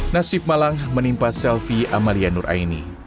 nasi malang menimpa selfie amalia nuraini